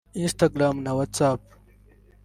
Instagram na Whatsapp